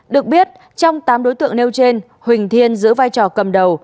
được biết trong tám đối tượng nêu trên huỳnh thiên giữ vai trò cầm đầu